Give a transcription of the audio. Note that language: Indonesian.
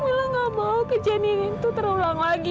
mila gak mau kejadian itu terulang lagi